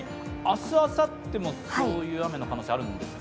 明日、あさってもそういう雨の可能性あるんですか？